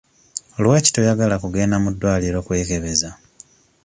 Lwaki toyagala kugenda mu ddwaliro kwekebeza?